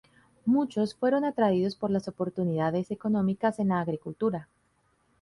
Muchos fueron atraídos por las oportunidades económicas en la agricultura.